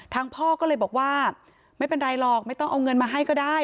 พ่อก็เลยบอกว่าไม่เป็นไรหรอกไม่ต้องเอาเงินมาให้ก็ได้